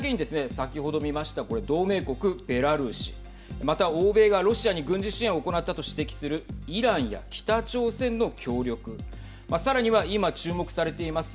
先ほど見ましたこれ同盟国ベラルーシまた、欧米がロシアに軍事支援を行ったと指摘するイランや北朝鮮の協力さらには今注目されています